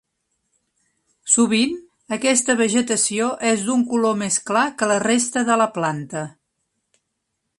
Sovint, aquesta vegetació és d'un color més clar que la resta de la planta.